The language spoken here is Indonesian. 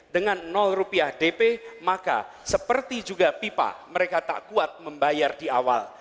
dengan rupiah dp maka seperti juga pipa mereka tak kuat membayar di awal